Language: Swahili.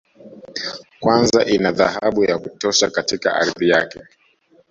Kwanza ina dhahabu ya kutosha katika ardhi yake